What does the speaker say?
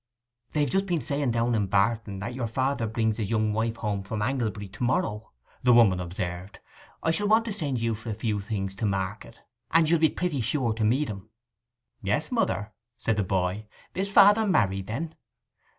'They've just been saying down in barton that your father brings his young wife home from Anglebury to morrow,' the woman observed. 'I shall want to send you for a few things to market, and you'll be pretty sure to meet 'em.' 'Yes, mother,' said the boy. 'Is father married then?